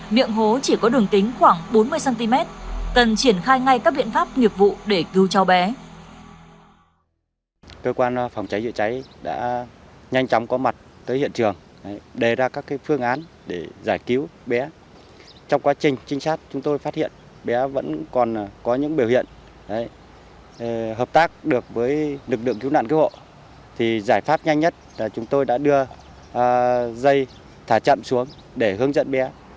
miệng hố chỉ có đường kính khoảng bốn mươi cm cần triển khai ngay các biện pháp nghiệp vụ để cứu cho bé